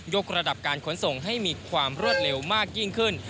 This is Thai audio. กระดับการขนส่งให้มีความรวดเร็วมากยิ่งขึ้น